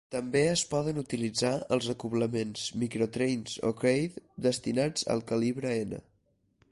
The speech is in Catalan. També es poden utilitzar els acoblaments MicroTrains o Kadee destinats al calibre N.